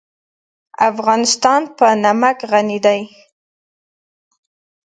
افغانستان په نمک غني دی.